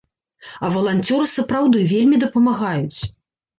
А валанцёры сапраўды вельмі дапамагаюць.